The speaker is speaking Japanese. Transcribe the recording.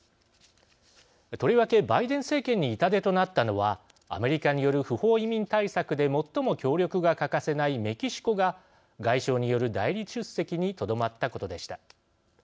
とりわけバイデン政権に痛手となったのはアメリカによる不法移民対策で最も協力が欠かせないメキシコが外相による代理出席にとどまったことでした。